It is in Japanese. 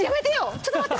ちょっと待って。